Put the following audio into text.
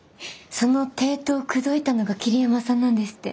その帝都を口説いたのが桐山さんなんですって。